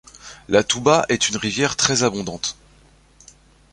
La Touba est une rivière très abondante.